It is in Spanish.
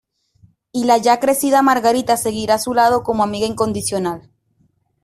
Y la ya crecida Margarita seguirá a su lado como amiga incondicional...